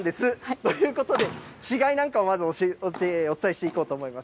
ということで、違いなんかをまず、お伝えしていこうと思います。